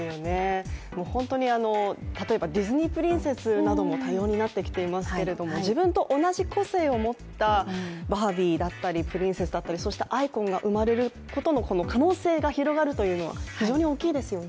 本当に例えばディズニープリンセスなども多様になってきていますけれども、自分と同じ個性を持ったバービーだったりプリンセスだったりそしてアイコンが生まれることの可能性が広がるというのは非常に大きいですよね。